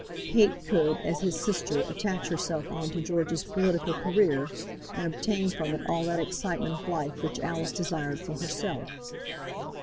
Kate could, as his sister, attach herself on to George's political career, and obtain from it all that excitement of life which Alice desired for herself.